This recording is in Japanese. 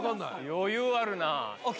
余裕あるな。